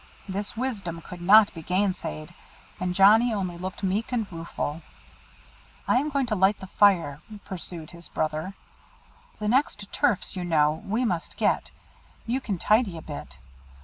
This wisdom could not be gainsaid, and Johnnie only looked meek and rueful. "I am going to light the fire," pursued his brother; "the next turfs, you know, we must get you can tidy a bit.